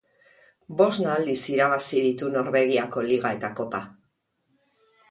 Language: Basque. Bosna aldiz irabazi ditu Norvegiako Liga eta Kopa.